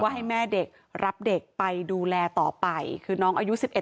ว่าให้แม่เด็กรับเด็กไปดูแลต่อไปคือน้องอายุสิบเอ็ด